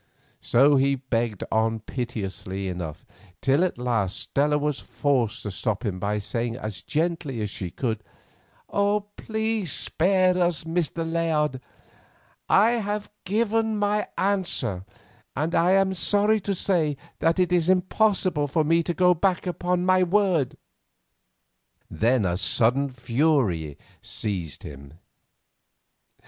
So he begged on piteously enough, till at last Stella was forced to stop him by saying as gently as she could: "Please spare us both, Mr. Layard; I have given my answer, and I am sorry to say that it is impossible for me to go back upon my word." Then a sudden fury seized him.